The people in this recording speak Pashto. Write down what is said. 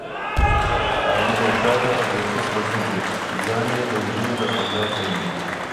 علي بیکاره او بې کسبه ګرځي، ځان یې دنجونو د خندا کړی دی.